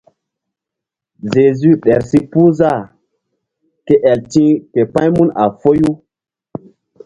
Zezu ɗer si puh zah ke el ti̧h k pa̧ymun a foyu.